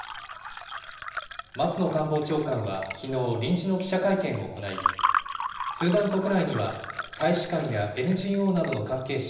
松野官房長官はきのう、臨時の記者会見を行い、スーダン国内には大使館やＮＧＯなどの関係者